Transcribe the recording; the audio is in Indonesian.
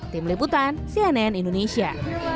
tim liputan cnn indonesia